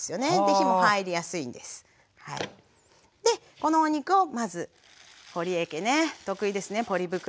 このお肉をまずほりえ家ね得意ですねポリ袋。